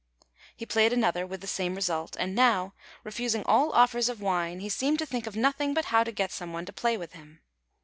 He played another with the same result; and now, refusing all offers of wine, he seemed to think of nothing but how to get some one to play with him.